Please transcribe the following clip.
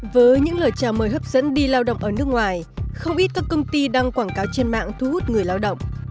với những lời chào mời hấp dẫn đi lao động ở nước ngoài không ít các công ty đăng quảng cáo trên mạng thu hút người lao động